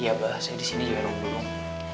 iya abah saya di sini jagain om dudung